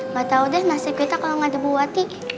gak tau deh nasib kita kalau gak ada ibu wati